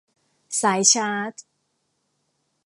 สายชาร์จ